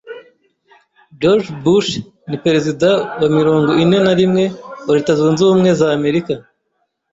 George Bush ni perezida wa mirongo ine na rimwe wa Leta zunzubumwe z'Amerika.